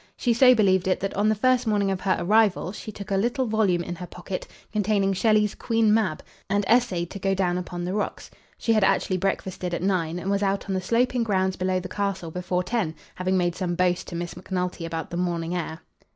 She so believed it, that on the first morning of her arrival she took a little volume in her pocket, containing Shelley's "Queen Mab," and essayed to go down upon the rocks. She had actually breakfasted at nine, and was out on the sloping grounds below the castle before ten, having made some boast to Miss Macnulty about the morning air.